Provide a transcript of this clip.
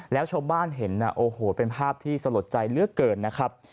แล้วชาวบ้านเห็นโอ้โหเป็นภาพที่สลดใจเหลือเกินนะครับ